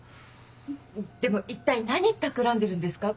でも一体何たくらんでるんですか？